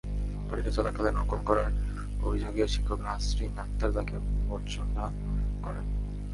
পরীক্ষা চলাকালে নকল করার অভিযোগে শিক্ষক নাসরিন আক্তার তাকে ভর্ৎসনা করেন।